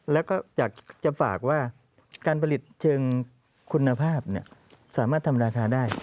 แล้วก็อยากจะฝากว่าการผลิตเชิงคุณภาพสามารถทำราคาได้